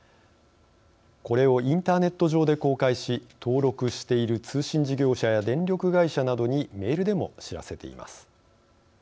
これをインターネット上で公開し登録している通信事業者や電力会社などにメールでも知らせています。